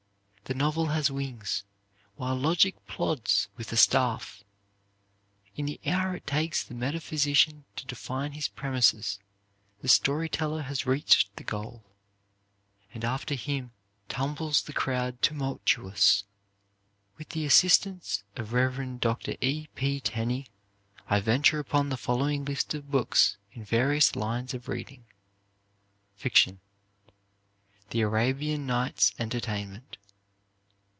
The novel has wings, while logic plods with a staff. In the hour it takes the metaphysician to define his premises, the story teller has reached the goal and after him tumbles the crowd tumultuous." With the assistance of Rev. Dr. E. P. Tenney, I venture upon the following lists of books in various lines of reading: Fiction "The Arabian Nights Entertainment."